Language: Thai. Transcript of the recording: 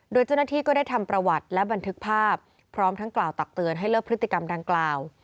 โดยเจ้าหน้าที่ก็ได้ทำประวัติและบันทึกภาพพร้อมทั้งกล่าวตักเตือนให้เลิกพฤติกรรมดังกล่าว